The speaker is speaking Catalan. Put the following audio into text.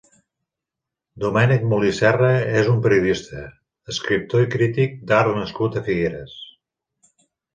Domènec Moli Serra és un periodista, escriptor i crític d'art nascut a Figueres.